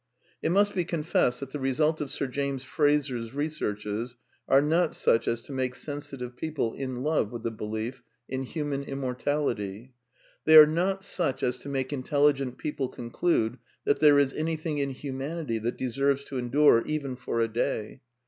It must be confessed that the result of Sir James Frazer's researches are not such as to make sensitive people in love with the belief in human immortality. They are not such as to make intelligent people conclude that there is anything in humanity that deserves to endure even for a day.